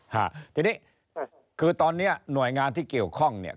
ฮะทีนี้คือตอนเนี้ยหน่วยงานที่เกี่ยวข้องเนี่ย